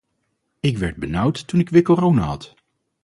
Ik werd benauwd toen ik weer corona had.